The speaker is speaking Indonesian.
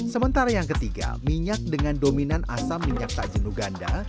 sementara yang ketiga minyak dengan dominan asam minyak tak jenuh ganda